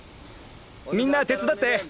みんな手伝って！